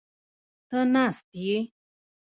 ته ناست یې؟